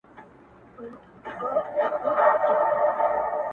له عالمه پټ پنهان د زړه په ویر یم ».!